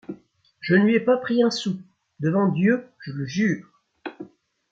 Je ne lui ai pas pris un sou, devant Dieu je le jure !